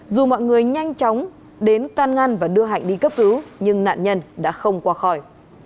dù mọi người nhanh chóng đến can ngăn và đưa hạnh đi cấp cứu nhưng nạn nhân đã không qua khỏi